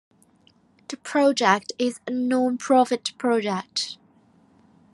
The project is a non-profit project.